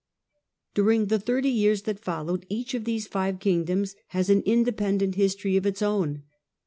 During the thirty years that follow, each of these five kingdoms has an independent history of its own.